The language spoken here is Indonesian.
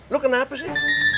lo kenapa sih